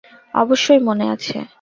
অবশ্যই মনে আছে।